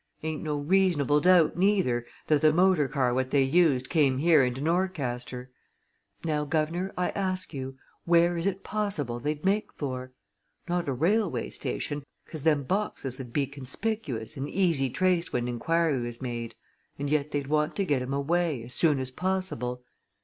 Ain't no reasonable doubt, neither, that the motor car what they used came here into Norcaster. Now, guv'nor, I ask you where is it possible they'd make for? Not a railway station, 'cause them boxes 'ud be conspicuous and easy traced when inquiry was made. And yet they'd want to get 'em away as soon as possible.